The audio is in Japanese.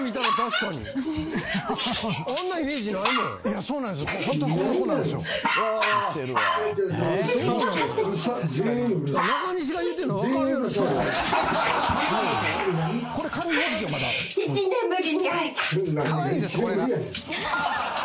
かわいいんですこれが。